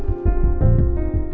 dan beri otro